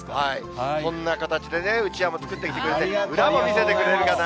そんな形でね、うちわも作ってきてくれて、裏も見せてくれるかな。